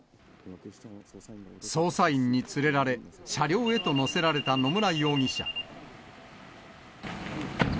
捜査員に連れられ、車両へと乗せられた野村容疑者。